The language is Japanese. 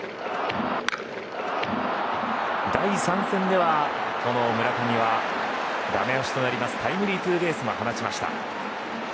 第３戦ではこの村上は、だめ押しとなりますタイムリーツーベースも放ちました。